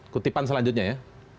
kutipan selanjutnya ya